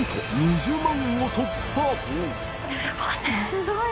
すごい！